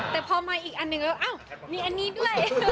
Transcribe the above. แต่พอมาอีกอันหนึ่งแล้วอ้าวมีอันนี้ด้วย